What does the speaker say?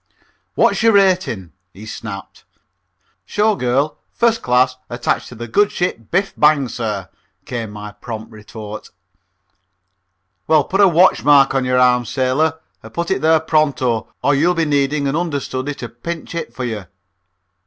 "What's your rating?" he snapped. "Show girl first class attached to the good ship Biff! Bang! sir," came my prompt retort. "Well, put a watch mark on your arm, sailor, and put it there pronto, or you'll be needing an understudy to pinch hit for you."